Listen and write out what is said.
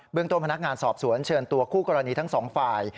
ต้นพนักงานสอบสวนเชิญตัวคู่กรณีทั้งสองฝ่าย